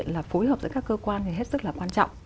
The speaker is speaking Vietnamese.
thực hiện là phối hợp với các cơ quan thì hết sức là quan trọng